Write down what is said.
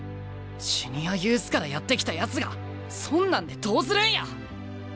ジュニアユースからやって来たやつがそんなんでどうするんや！